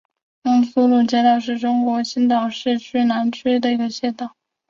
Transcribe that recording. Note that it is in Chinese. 江苏路街道是中国青岛市市南区下辖的一个街道。